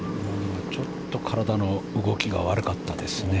ちょっと体の動きが悪かったですね。